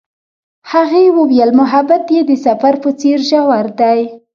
هغې وویل محبت یې د سفر په څېر ژور دی.